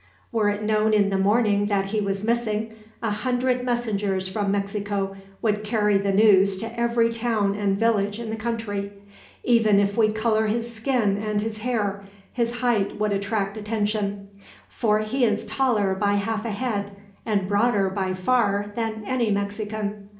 Were it known in the morning that he was missing, a hundred messengers from Mexico would carry the news to every town and village in the country. Even if we colored his skin and his hair, his height would attract attention; for he is taller by half a head, and broader, by far, than any Mexican.